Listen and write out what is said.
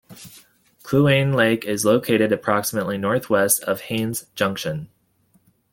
Kluane Lake is located approximately northwest of Haines Junction.